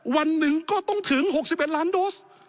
วันหนึ่งก็ต้องถึง๖๑ล้านโดส